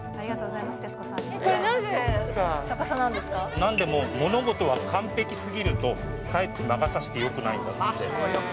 これ、なんでも、物事は完璧すぎるとかえって魔が差してよくないんだそうで。